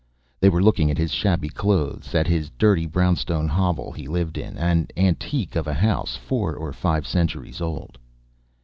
They were looking at his shabby clothes, at the dirty brownstone hovel he lived in an antique of a house four or five centuries old.